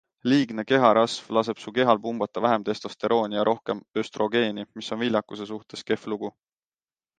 Liigne keharasv laseb su kehal pumbata vähem testosterooni ja rohkem östrogeeni, mis on viljakuse suhtes kehv lugu.